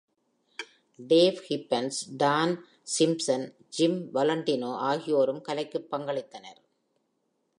Dave Gibbons, Don Simpson, Jim Valentino ஆகியோரும் கலைக்குப் பங்களித்தனர்.